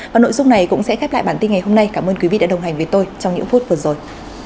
và nội dung này cũng sẽ khép lại bản tin ngày hôm nay cảm ơn quý vị đã đồng hành với tôi trong những phút vừa rồi